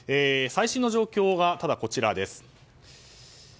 最新の状況がこちらです。